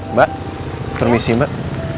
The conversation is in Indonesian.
mbak permisi mbak